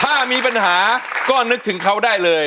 ถ้ามีปัญหาก็นึกถึงเขาได้เลย